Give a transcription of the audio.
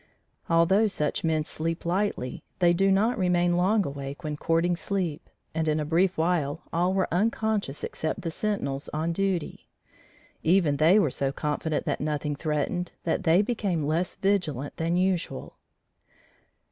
Although such men sleep lightly, they do not remain long awake when courting sleep, and in a brief while all were unconscious except the sentinels on duty. Even they were so confident that nothing threatened, that they became less vigilant than usual.